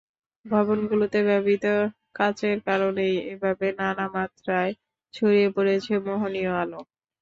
ভবনগুলোতে ব্যবহৃত কাচের কারণেই এভাবে নানা মাত্রায় ছড়িয়ে পড়েছে মোহনীয় আলো।